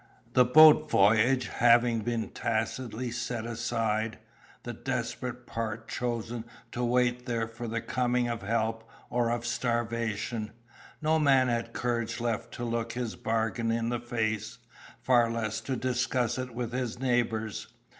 The boat voyage having been tacitly set aside, the desperate part chosen to wait there for the coming of help or of starvation, no man had courage left to look his bargain in the face, far less to discuss it with his neighbours.